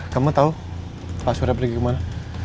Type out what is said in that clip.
kamu tahu pak surya pergi kemana